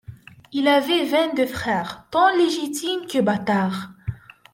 Il avait vingt-deux frères, tant légitimes que bâtards.